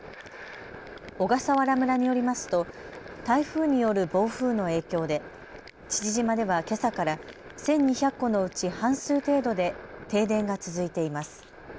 小笠原村によりますと台風による暴風の影響で父島ではけさから１２００戸のうち半数程度で停電が続いています。